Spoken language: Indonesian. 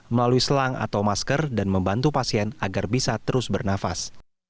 melalui selang atau masker dan membantu pasien agar bisa terus bernafas